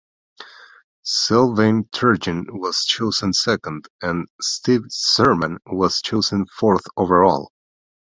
Sylvain Turgeon was chosen second and Steve Yzerman was chosen fourth overall.